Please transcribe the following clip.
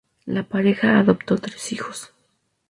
La pareja adoptó tres hijos.